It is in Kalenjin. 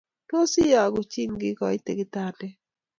Tos, iyogu chii nyigoito kitandet